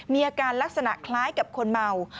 มีอาการลักษณะคล้ายกับคนเมา